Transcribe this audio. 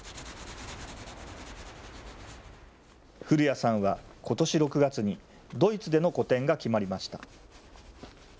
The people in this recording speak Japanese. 古屋さんはことし６月に、ドイツでの個展が決まりました。